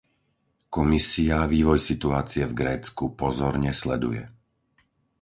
Komisia vývoj situácie v Grécku pozorne sleduje.